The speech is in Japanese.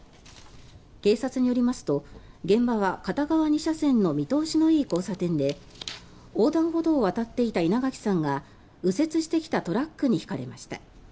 警察によりますと現場は片側２車線の見通しのいい交差点で横断歩道を渡っていた稲垣さんが右折してきたトラックにひかれました。